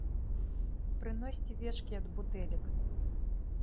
Прыносьце вечкі ад бутэлек!